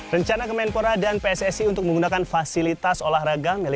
rencana kemenpora dan pssi untuk menggunakan fasilitas olahraga